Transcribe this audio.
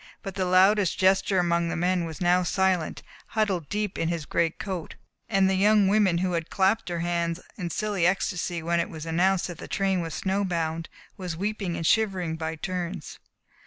But the loudest jester among the men was now silent, huddled deep in his great coat; and the young woman who had clapped her hands in silly ecstasy when it was announced that the train was snowbound was weeping and shivering by turns.